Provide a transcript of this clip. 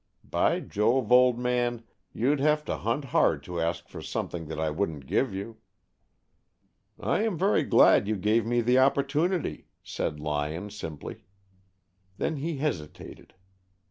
By Jove, old man, you'd have to hunt hard to ask for something that I wouldn't give you." "I am very glad you gave me the opportunity," said Lyon simply. Then he hesitated.